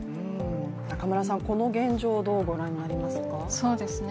中村さん、この現状、どうご覧になりますか？